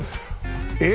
え？